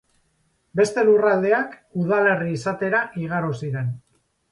Beste lurraldeak udalerri izatera igaro ziren.